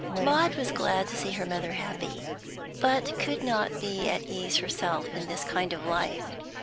Maud was glad to see her mother happy, but could not be at ease herself in this kind of life.